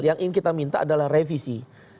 yang ingin kita minta adalah revisi